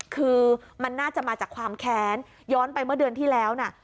คือมันน่าจะมาจากความแค้นย้อนไปเมื่อเดือนที่แล้วนะ